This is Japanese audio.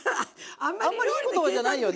あんまりいい言葉じゃないよね。